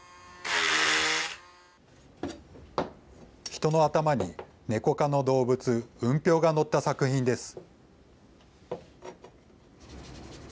人の頭にネコ科の動物、ウンピョウが乗った作品です。